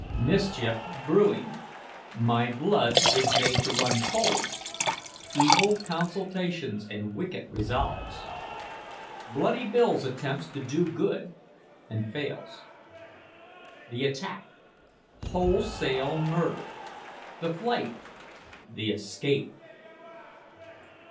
MISCHIEF BREWING MY BLOOD IS MADE TO RUN COLD EVIL CONSULTATIONS AND WICKED RESOLVES BLOODY BILL ATTEMPTS TO DO GOOD, AND FAILS THE ATTACK WHOLESALE MURDER THE FLIGHT THE ESCAPE.